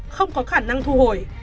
không có khả năng thu hồi